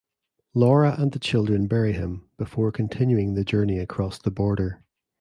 Laura and the children bury him before continuing the journey across the border.